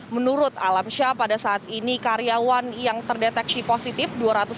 menurut alam syah pada saat ini karyawan yang terdeteksi positif